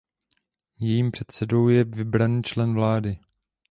Jejím předsedou je vybraný člen vlády.